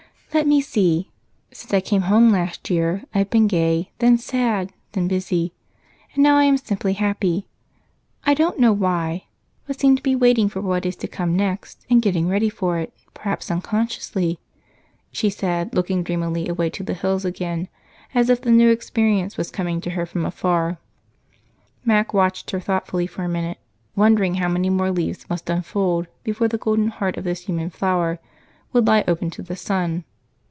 "Let me see. Since I came home last year, I've been gay, then sad, then busy, and now I am simply happy. I don't know why, but seem to be waiting for what is to come next and getting ready for it, perhaps unconsciously," she said, looking dreamily away to the hills again, is if the new experience was coming to her from afar. Mac watched her thoughtfully for a minute, wondering how many more leaves must unfold before the golden heart of this human flower would lie open to the sun.